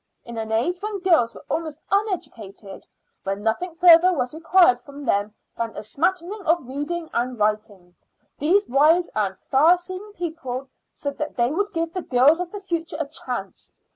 In an age when girls were almost uneducated, when nothing further was required from them than a smattering of reading and writing, these wise and far seeing people said that they would give the girls of the future a chance.